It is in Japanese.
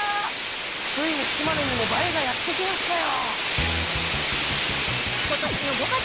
ついに島根にも映えがやって来ましたよ。